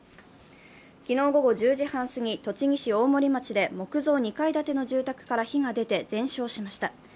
昨日午後１０時半すぎ栃木市大森町で木造２階建ての住宅から火が出て全焼しました。